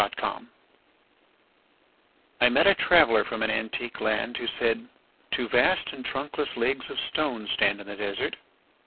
Y Z Ozymandias I MET a traveller from an antique land Who said: Two vast and trunkless legs of stone Stand in the desert